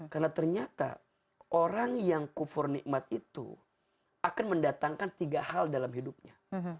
karena ternyata orang yang kufur nikmat itu akan mendatangkan tiga hal dalam hidupnya